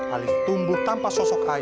alif tumbuh tanpa sosok ayah